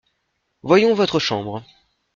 Voyons votre chambre.